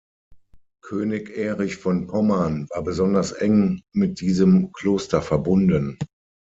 König Erich von Pommern war besonders eng mit diesem Kloster verbunden.